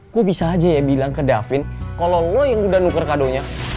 gue bisa aja ya bilang ke davin kalo lo yang udah nuker kado nya